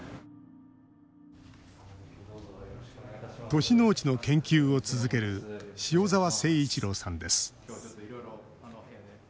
都市農地の研究を続ける塩澤誠一郎さんです。